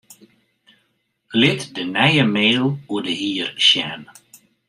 Lit de nije mail oer de hier sjen.